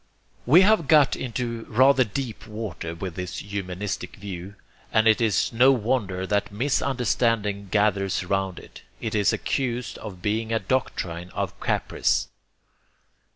We have got into rather deep water with this humanistic view, and it is no wonder that misunderstanding gathers round it. It is accused of being a doctrine of caprice.